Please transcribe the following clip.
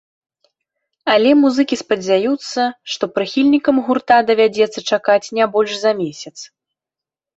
Але музыкі спадзяюцца, што прыхільнікам гурта давядзецца чакаць не больш за месяц.